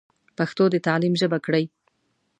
پښتو د تعليم ژبه کړئ.